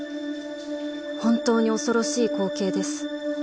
本当に恐ろしい光景です。